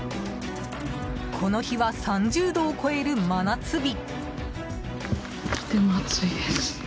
この日は、３０度を超える真夏日。